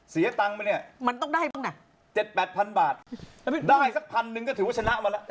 เสียตังช์มันต้องได้ได้๗๘พันบาทได้ชะมัด